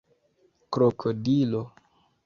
krokodilo